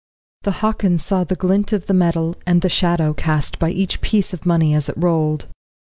The Hockins saw the glint of the metal, and the shadow cast by each piece of money as it rolled.